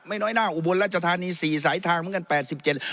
ไม่น้อยหน้าอุบลรัชธานี๔สายทางเหมือนกัน๘๗